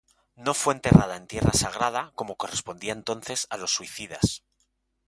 No fue enterrada en tierra sagrada, como correspondía entonces a los suicidas.